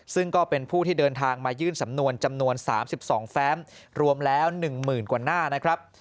ซึ่งก็เป็นผู้ที่เดินทางมายื่นสำนวนจำนวน๓๒แฟมรวมแล้ว๑๐๐๐กว่าหน้านะครับ